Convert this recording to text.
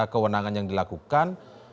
kewenangan yang dilakukan